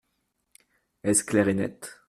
Est-ce clair et net ?